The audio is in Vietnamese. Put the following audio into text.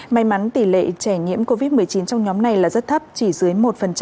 may mắn tỷ lệ trẻ nhiễm covid một mươi chín trong nhóm này là rất thấp chỉ dưới một